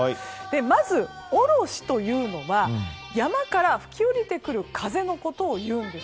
まず、おろしというのは山から吹き降りてくる風のことを言います。